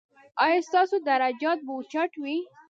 ایا ستاسو درجات به اوچت وي؟